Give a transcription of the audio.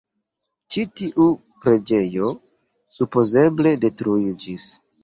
Ĉi tiu preĝejo supozeble detruiĝis.